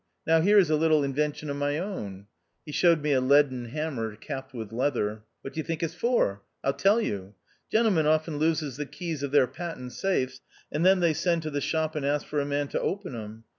Now, here is a little inwention of my own." He showed me a leaden hammer capped with leather. " What d'ye think it's for ? I'll tell you. Gentlemen often loses the keys of their patent safes, and then they send to the shop and ask for a man to open 'em.